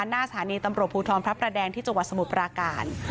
หน้าสถานีตำรวจภูทรพระประแดงที่จังหวัดสมุทรปราการ